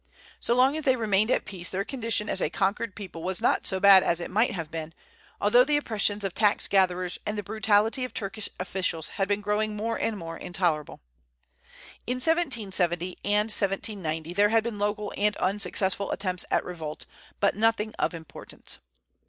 So long as they remained at peace their condition as a conquered people was not so bad as it might have been, although the oppressions of tax gatherers and the brutality of Turkish officials had been growing more and more intolerable. In 1770 and 1790 there had been local and unsuccessful attempts at revolt, but nothing of importance.